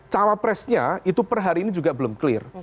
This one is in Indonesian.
calon presnya itu per hari ini juga belum clear